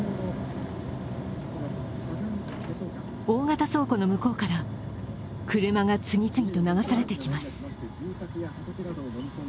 大型倉庫の向こうから車が次々と流されてきます。